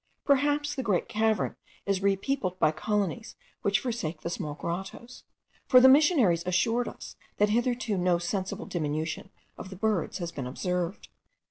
Perhaps the great cavern is repeopled by colonies which forsake the small grottoes; for the missionaries assured us that hitherto no sensible diminution of the birds has been observed.